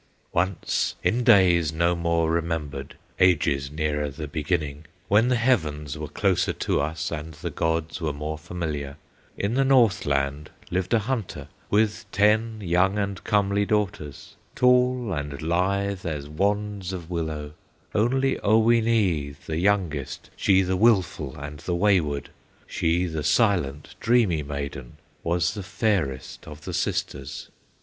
"Once, in days no more remembered, Ages nearer the beginning, When the heavens were closer to us, And the Gods were more familiar, In the North land lived a hunter, With ten young and comely daughters, Tall and lithe as wands of willow; Only Oweenee, the youngest, She the wilful and the wayward, She the silent, dreamy maiden, Was the fairest of the sisters.